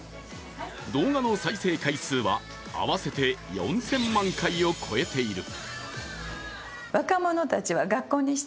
動画の再生回数は合わせて４０００万回を超えている。